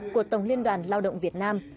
của tổng liên đoàn lao động việt nam